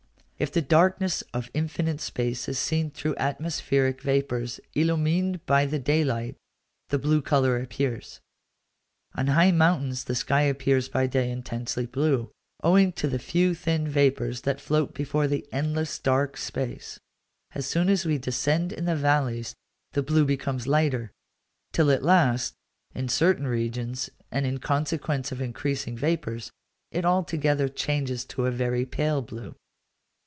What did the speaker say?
If the darkness of infinite space is seen through atmospheric vapours illumined by the day light, the blue colour appears. On high mountains the sky appears by day intensely blue, owing to the few thin vapours that float before the endless dark space: as soon as we descend in the valleys, the blue becomes lighter; till at last, in certain regions, and in consequence of increasing vapours, it altogether changes to a very pale blue.